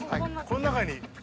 この中に？